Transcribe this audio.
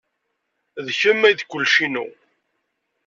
D kemm ay d kullec-inu.